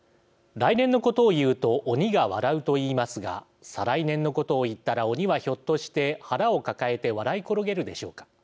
来年のことを言うと鬼が笑うと言いますが再来年のことを言ったら鬼は、ひょっとして腹を抱えて笑い転げるでしょうか。